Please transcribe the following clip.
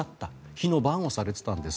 火の番をされていたんです。